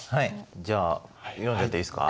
じゃあ読んじゃっていいですか？